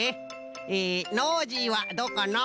えノージーはどうかのう？